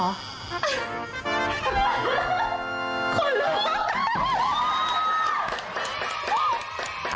ขอรู้